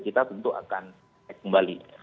kita tentu akan cek kembali